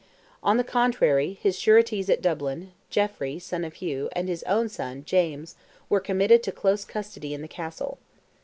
On the contrary, his sureties at Dublin, Geoffrey, son of Hugh, and his own son, James, were committed to close custody in the Castle.